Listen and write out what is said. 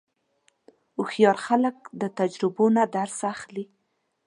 هوښیار خلک د تجربو نه درس اخلي.